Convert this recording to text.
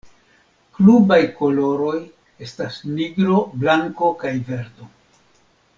Klubaj koloroj estas nigro, blanko kaj verdo.